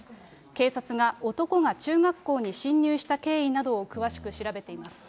警察が男が中学校に侵入した経緯などを詳しく調べています。